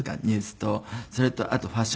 それとあとファッションショーと。